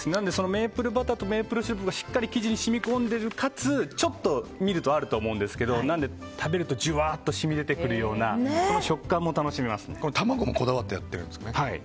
メープルバターとメープルシロップがしっかり生地に染み込んでいるかつちょっと見るとあると思うんですが食べるとジュワッと染み出てくるような食感も卵もこだわってるんですよね。